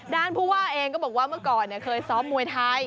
ผู้ว่าเองก็บอกว่าเมื่อก่อนเคยซ้อมมวยไทย